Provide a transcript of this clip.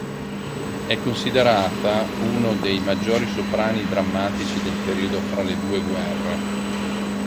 È considerata uno dei maggiori soprani drammatici del periodo fra le due guerre.